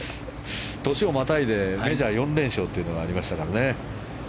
年をまたいでメジャー４連勝というのがありましたからね。